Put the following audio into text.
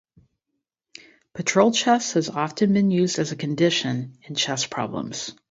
Patrol chess has often been used as a condition in chess problems.